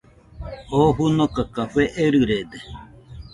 Oo fɨnoka café erɨrede